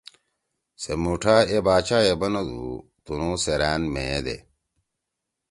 سے مُوٹھا اے باچا ئے بنَدُو تنُو سیرأن مھیئے دے۔